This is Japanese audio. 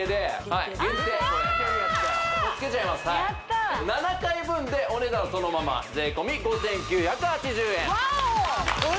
はい７回分でお値段そのまま税込５９８０円ワオ！